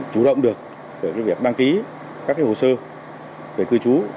chủ động được về việc đăng ký các hồ sơ về cư chú